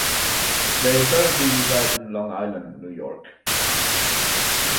They currently reside in Long Island, New York.